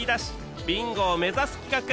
ビンゴを目指す企画